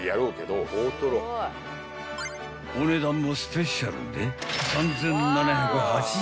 ［お値段もスペシャルで］